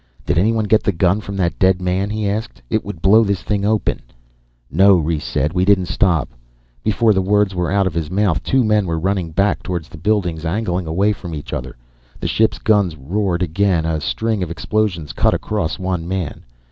"Did anyone get the gun from that dead man?" he asked. "It would blow this thing open." "No," Rhes said, "we didn't stop." Before the words were out of his mouth two men were running back towards the buildings, angling away from each other. The ship's guns roared again, a string of explosions cut across one man.